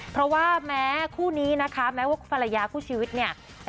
เพราะว่าแม้คู่นี้นะคะแม้ว่าภรรยาคู่ชีวิตเนี่ย